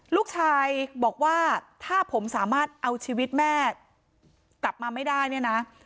ลูกชายบอกว่าถ้าผมสามารถเอาชีวิตแม่กลับมาไม่ได้เนี่ยนะ